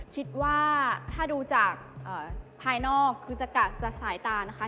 คิดว่าถ้าดูจากภายนอกคือจะกะจะสายตานะคะ